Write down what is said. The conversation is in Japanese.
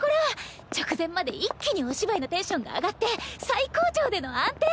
直前まで一気にお芝居のテンションが上がって最高潮での暗転。